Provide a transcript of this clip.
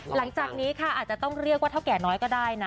หลังจากนี้ค่ะอาจจะต้องเรียกว่าเท่าแก่น้อยก็ได้นะ